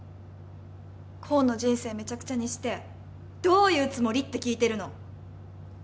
功の人生めちゃくちゃにしてどういうつもりって聞いてるの！